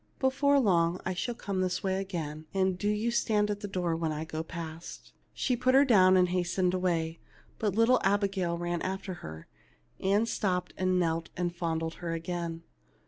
"Before long I shall come this way again, and do you stand in the door when I go past." She put her down and hastened away, but little Abigail ran after her. Ann stopped and knelt and fondled her again.